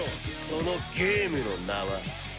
そのゲームの名は。